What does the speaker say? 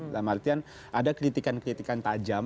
maksudnya ada kritikan kritikan tajam